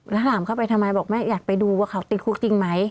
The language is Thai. แล้วถามเข้าไปทำไมบอกแม่อยากไปดูว่าเขาติดคุกจริงไหม